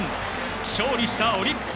勝利したオリックス。